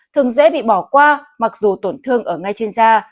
thường dễ bị bỏ qua mặc dù tổn thương ở ngay trên da